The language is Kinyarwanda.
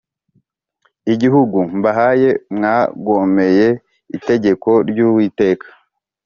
igihugu mbahaye mwagomeye itegeko ry Uwiteka